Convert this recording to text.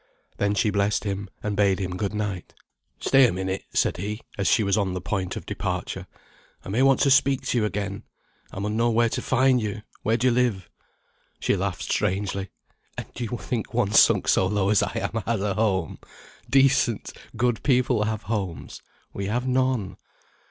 Then she blessed him, and bade him good night. "Stay a minute," said he, as she was on the point of departure. "I may want to speak to you again. I mun know where to find you where do you live?" She laughed strangely. "And do you think one sunk so low as I am has a home? Decent, good people have homes. We have none.